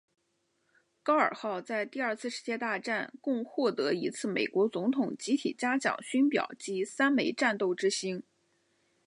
高尔号在第二次世界大战共获得一次美国总统集体嘉奖勋表及三枚战斗之星。